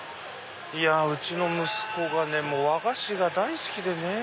いやうちの息子が和菓子が大好きでね。